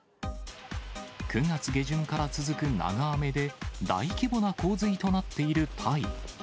９月下旬から続く長雨で、大規模な洪水となっているタイ。